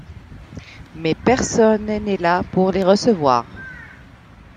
Mais personne n'est là pour les recevoir.